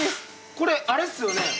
これあれですよね